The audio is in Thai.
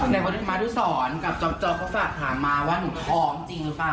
มารุสรกับจ๊อบเขาฝากถามมาว่าหนูท้องจริงหรือเปล่า